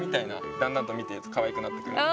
だんだんと見てるとかわいくなってくる。